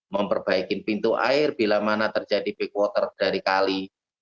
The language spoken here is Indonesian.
memperbaiki pintu air bila mana terjadi backwater dari kali